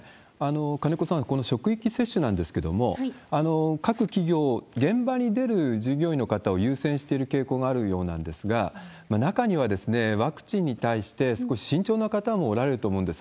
金子さん、この職域接種なんですけれども、各企業、現場に出る従業員の方を優先している傾向があるようなんですが、中にはワクチンに対して少し慎重な方もおられると思うんです。